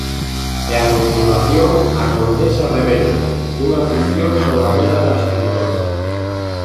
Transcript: E a continuación "A condesa rebelde", unha ficción sobre a vida da escritora.